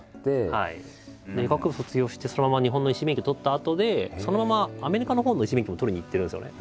医学部卒業してそのまま日本の医師免許取ったあとでそのままアメリカのほうの医師免許も取りに行ってるんですよね。